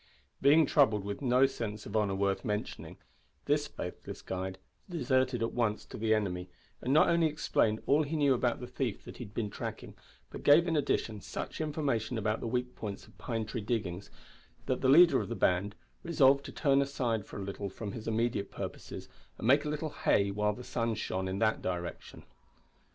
Being troubled with no sense of honour worth mentioning, this faithless guide deserted at once to the enemy, and not only explained all he knew about the thief that he had been tracking, but gave, in addition, such information about the weak points of Pine Tree Diggings, that the leader of the band resolved to turn aside for a little from his immediate purposes, and make a little hay while the sun shone in that direction.